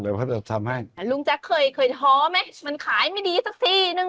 แล้วเรารู้ข้อแ